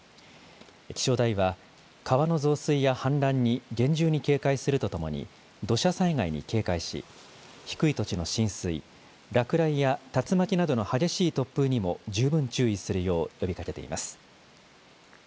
気象台は川の増水や氾濫に厳重に警戒するとともに土砂災害に警戒し低い土地の浸水、落雷や竜巻などの激しい突風にも十分注意するよう呼びかけています。